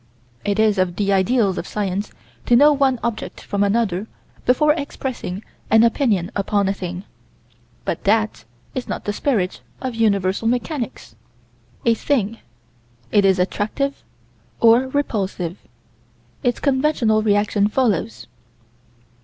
It is of the ideals of Science to know one object from another before expressing an opinion upon a thing, but that is not the spirit of universal mechanics: A thing. It is attractive or repulsive. Its conventional reaction follows.